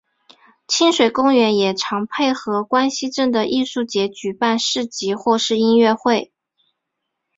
亲水公园也常配合关西镇的艺术节举办市集或是音乐会。